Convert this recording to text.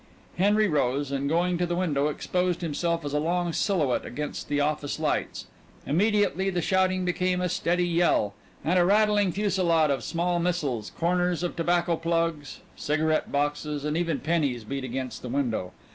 Henry rose, and going to the window exposed himself as a long silhouette against the office lights. Immediately the shouting became a steady yell, and a rattling fusillade of small missiles, corners of tobacco plugs, cigarette boxes, and even pennies beat against the window.